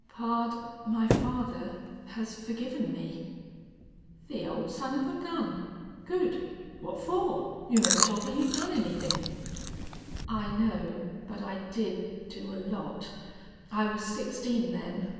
"Pard, my father has forgiven me." "The old son of a gun! Good! What for? You never told me you'd done anythin'." "I know but I did do a lot. I was sixteen then.